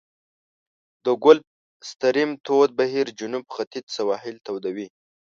د ګلف ستریم تود بهیر جنوب ختیځ سواحل توده وي.